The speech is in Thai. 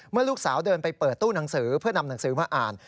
เมื่อลูกสาวเดินไปเปิดตู้หนังสือเพื่อนำหนังสือมาอ่าน